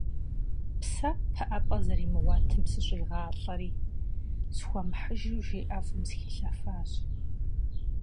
Псэм пыӀэпӀэ зэримыгъуэтым сыщӀигъалӀэри, схуэмыхьыжу жей ӀэфӀым сыхилъэфащ.